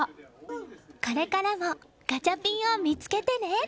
これからもガチャピンを見つけてね。